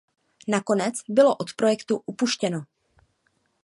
Nakonec bylo od projektu upuštěno.